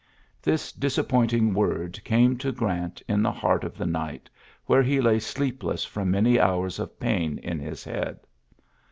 This disappoiating word came to Grant in the heart of the night, where he lay sleepless from many hours of pain in his head.